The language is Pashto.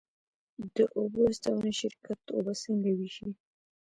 د اوبو رسونې شرکت اوبه څنګه ویشي؟